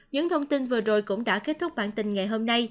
những thông tin vừa rồi cũng đã kết thúc bản tin